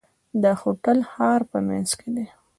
دا هوټل د ښار په منځ کې دی.